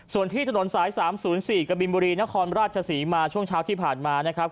ส่วนที่ถนนสาย๓๐๔กบินบุรีนครราชศรีมาช่วงเช้าที่ผ่านมานะครับ